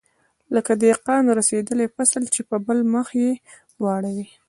لکه د دهقان رسېدلى فصل چې په بل مخ يې واړوې.